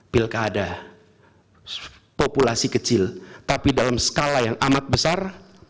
pilkada populasi kecil tapi dalam skala yang amat besar